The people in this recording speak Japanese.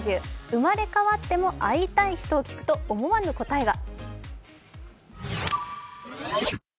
生まれ変わっても会いたい人を聞くと思わぬ答えが。